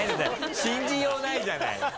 信じようないじゃない。